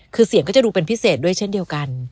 คือเสียงก็จะดูเป็นพิเศษด้วยเช่นเดียวกัน